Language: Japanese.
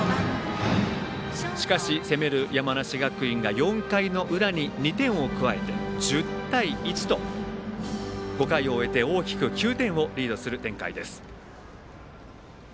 しかし、攻める山梨学院が４回の裏に２点を加えて１０対１と５回を終えて大きく９点をリードする展開です。